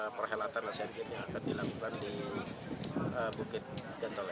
perhelatan asian games yang akan dilakukan di bukit gantole